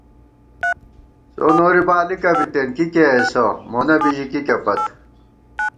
څو نوری بالِکہ بِتېن کی کېئیسہ، مونہ بِژِکِکے پت